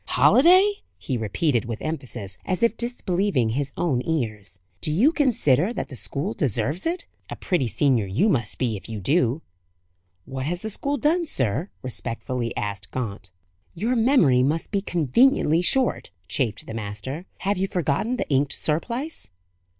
"Holiday!" he repeated, with emphasis, as if disbelieving his own ears. "Do you consider that the school deserves it? A pretty senior you must be, if you do." "What has the school done, sir?" respectfully asked Gaunt. "Your memory must be conveniently short," chafed the master. "Have you forgotten the inked surplice?"